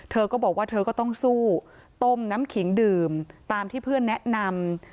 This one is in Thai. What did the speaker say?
เธอก็บอกว่าเธอก็ต้องสู้ต้มน้ำขิงดื่มตามที่เพื่อนแนะนำ